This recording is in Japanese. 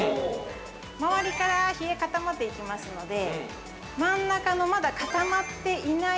周りから冷え固まっていきますので、真ん中のまだ固まっていない